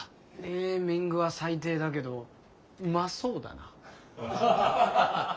ネーミングは最低だけどうまそうだな。